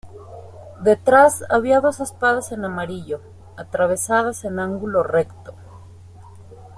Detrás había dos espadas en amarillo, atravesadas en ángulo recto.